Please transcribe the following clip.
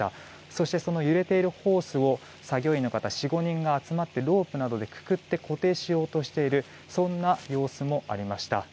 そして、その揺れているホースを作業員の方４５人が集まってロープなどにくくって、固定しようとしているそんな様子もありました。